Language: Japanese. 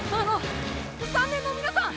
３年の皆さん！